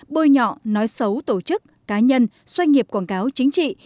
bôi nhọ nói xấu tổ chức cá nhân xoay nghiệp quảng cáo chính trị